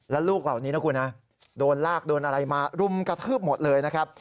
แล้วลูกเหล่านี้นะคุณนะโดนลากโดนอะไรมารุมกระทืบหมดเลยนะครับ